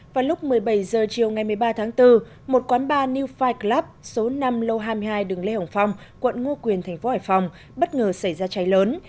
vào lúc một mươi bảy h chiều ngày một mươi ba tháng bốn một quán bar new fire club số năm lô hai mươi hai đường lê hồng phong quận ngo quyền tp hải phòng bất ngờ xảy ra cháy lớn